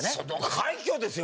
快挙ですよ！